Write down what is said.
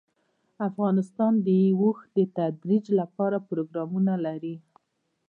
افغانستان د اوښ د ترویج لپاره پروګرامونه لري.